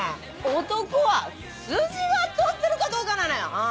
男は筋が通ってるかどうかなのよ！